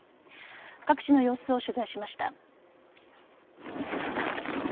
各地の様子を取材しました。